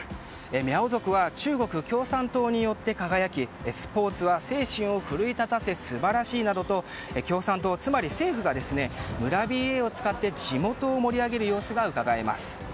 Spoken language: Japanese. ミャオ族は中国共産党によって輝きスポーツは精神を奮い立たせ素晴らしいなどと共産党つまり政府が村ＢＡを使って地元を盛り上げる様子がうかがえます。